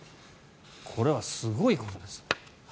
これはすごいことです。